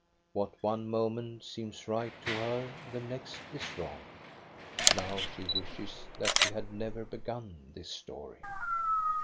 What one moment seems right to her the next is wrong. Now she wishes that she had never begun this story.